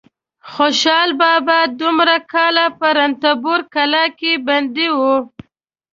خوشحال بابا دومره کاله په رنتبور کلا کې بندي و.